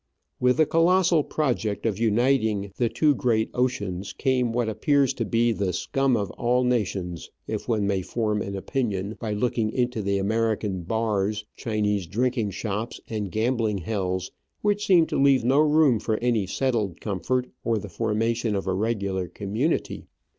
With the colossal project of uniting the two great oceans came what appears to be the scum of all nations, if one may form an opinion by looking into the American bars, Chinese Digitized by VjOOQIC OF AN Orchid Hunter, 215 drinking shops, and gambling hells, which seem to leave no room for any settled comfort or the formation of a regular community.